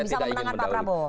memenangkan pak prabowo